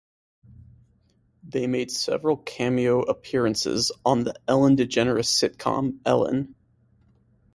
They made several cameo appearances on the Ellen DeGeneres sitcom "Ellen".